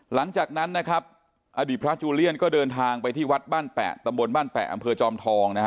หลังจากนั้นนะครับอดีตพระจูเลียนก็เดินทางไปที่วัดบ้านแปะตำบลบ้านแปะอำเภอจอมทองนะฮะ